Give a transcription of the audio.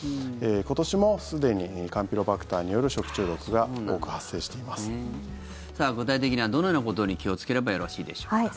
今年もすでにカンピロバクターによる食中毒が具体的にはどのようなことに気をつければよろしいでしょうか。